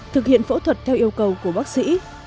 thực hiện phẫu thuật theo yêu cầu của bác sĩ